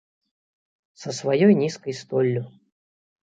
Са сваёй нізкай столлю.